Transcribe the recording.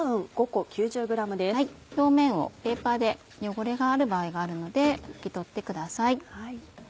表面をペーパーで汚れがある場合があるので拭き取ってください。